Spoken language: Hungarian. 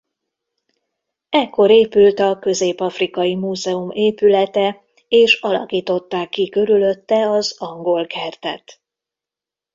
Ekkor épült a Közép-Afrika Múzeum épülete és alakították ki körülötte az angolkertet.